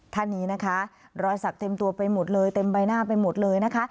ท่านนี้นะคะรอยสักเต็มตัวไปหมดเลยเต็มใบหน้าไปหมดเลยนะคะ